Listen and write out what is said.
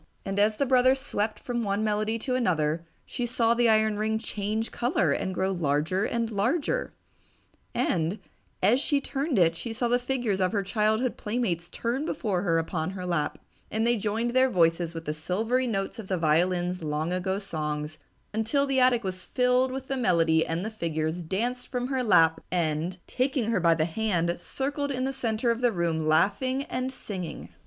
And as the brother swept from one melody to another, she saw the iron ring change color and grow larger and larger. And, as she turned it, she saw the figures of her childhood playmates turn before her upon her lap, and they joined their voices with the silvery notes of the violin's long ago songs until the attic was filled with the melody and the figures danced from her lap and, taking her by the hand, circled in the center of the attic room laughing and singing.